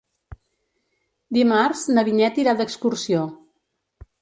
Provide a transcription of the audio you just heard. Dimarts na Vinyet irà d'excursió.